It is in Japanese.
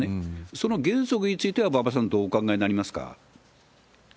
その原則については、馬場さん、どうお考えになりますか？